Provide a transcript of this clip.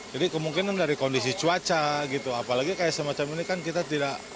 jadi kemungkinan dari kondisi cuaca gitu apalagi kayak semacam ini kan kita tidak